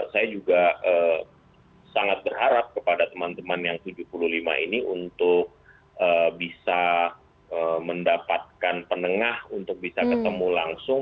saya juga sangat berharap kepada teman teman yang tujuh puluh lima ini untuk bisa mendapatkan penengah untuk bisa ketemu langsung